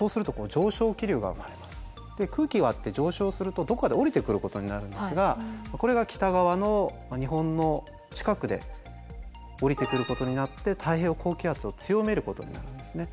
で空気が上昇するとどこかで下りてくることになるんですがこれが北側の日本の近くで下りてくることになって太平洋高気圧を強めることになるんですね。